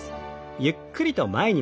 ゆっくりと前に曲げて。